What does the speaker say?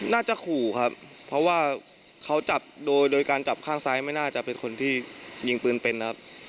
น่าจะขู่ครับเพราะว่าเขาจับโดยการจับข้างซ้ายไม่น่าจะเป็นคนที่ยิงปืนเป็นนะครับ